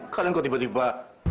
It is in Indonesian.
kalian kok tiba tiba